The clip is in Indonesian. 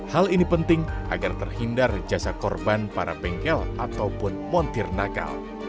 hal ini penting agar terhindar jasad korban para bengkel ataupun montir nakal